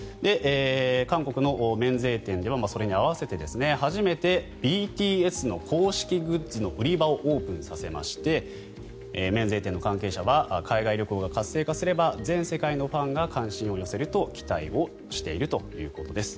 韓国の免税店ではそれに合わせて初めてＢＴＳの公式グッズの売り場をオープンさせまして免税店の関係者は海外旅行が活性化すれば全世界のファンが関心を寄せると期待しているということです。